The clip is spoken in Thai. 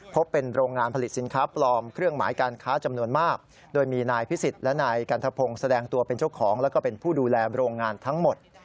พบเป็นโรงงานผลิตสินค้าปลอมเครื่องหมายการค้าจำนวนมากโดยมีนายพิสิทธิ์และนายกันทะพงศ์แสดงตัวเป็นเจ้าของแล้วก็เป็นผู้ดูแลโรงงานทั้งหมด